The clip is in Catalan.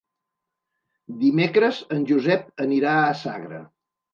Dimecres en Josep anirà a Sagra.